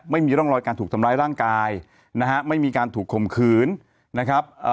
ไม่มีร่องรอยการถูกทำร้ายร่างกายนะฮะไม่มีการถูกข่มขืนนะครับ